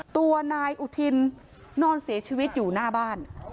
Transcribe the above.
ตัวนายอุทินนอนเสียชีวิตอยู่หน้าบ้าน